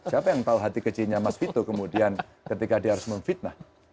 siapa yang tahu hati kecilnya mas vito kemudian ketika dia harus memfitnah